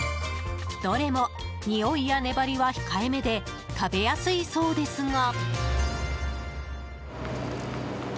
どれも、においや粘りは控えめで食べやすいそうですが。